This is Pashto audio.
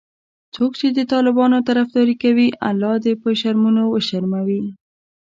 څوک چې د طالبانو طرفداري کوي الله دي په شرمونو وشرموي